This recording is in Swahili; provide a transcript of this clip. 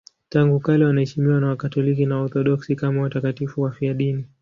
Tangu kale wanaheshimiwa na Wakatoliki na Waorthodoksi kama watakatifu wafiadini.